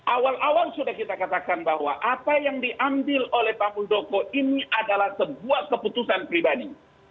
awal awal sudah kita katakan bahwa apa yang diambil oleh pak muldoko ini adalah sebuah keputusan pribadi